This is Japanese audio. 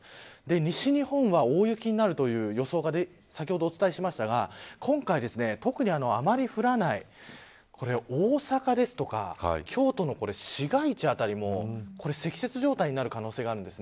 西日本は大雪になるという予想で先ほどお伝えしましたが今回、特にあまり降らない大阪ですとか京都の市街地辺りも積雪状態になる可能性があります。